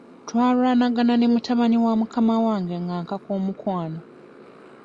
Twalwanagana ne mutabani wa mukama wange nga ankaka omukwano.